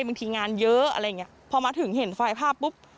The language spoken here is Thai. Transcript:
บางทีงานเยอะอะไรอย่างเงี้ยพอมาถึงเห็นไฟล์ภาพปุ๊บ